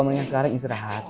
komennya sekarang istirahat